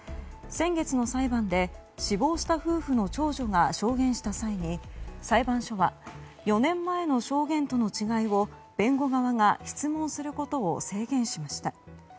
先月の裁判で死亡した夫婦の長女が証言した際に裁判所は４年前の証言との違いを弁護側が質問することを制限しました。